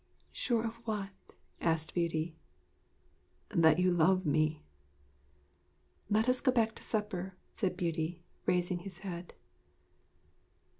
'Sure of what?' asked Beauty. 'That you love me?' 'Let us go back to supper,' said Beauty, raising his head.